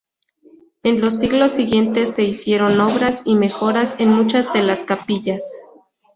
En los siglos siguientes se hicieron obras y mejoras en muchas de las capillas.